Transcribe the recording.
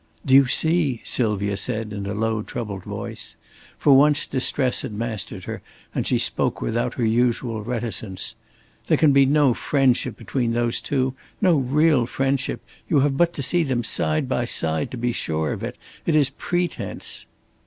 "Do you see?" Sylvia said in a low troubled voice. For once distress had mastered her and she spoke without her usual reticence. "There can be no friendship between those two. No real friendship! You have but to see them side by side to be sure of it. It is pretence."